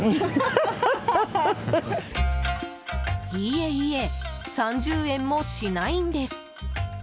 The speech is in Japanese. いえいえ３０円もしないんです。